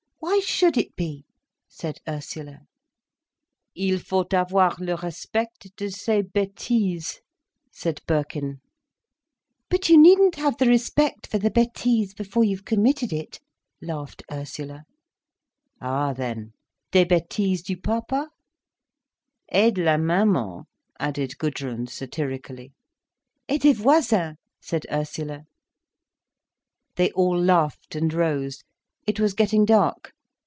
Why should it be?" said Ursula. "Il faut avoir le respect de ses bêtises," said Birkin. "But you needn't have the respect for the bêtise before you've committed it," laughed Ursula. "Ah then, des bêtises du papa?" "Et de la maman," added Gudrun satirically. "Et des voisins," said Ursula. They all laughed, and rose. It was getting dark.